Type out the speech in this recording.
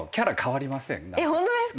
ホントですか？